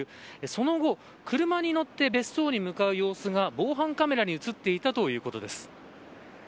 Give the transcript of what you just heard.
その後、車に乗って別荘に向かう様子が防犯カメラに映っていたということです。